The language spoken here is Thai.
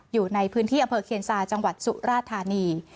อยู่ในพื้นที่อำเภอเคียนซาจังหวัดสุราธานี